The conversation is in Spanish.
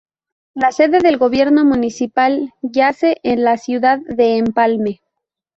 La sede del gobierno municipal yace en la ciudad de Empalme.